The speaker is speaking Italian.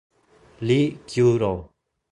Lee Kyu-ro